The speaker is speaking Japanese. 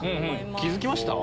気付きました？